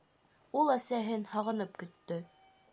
Ул әсәһен һағынып көттө.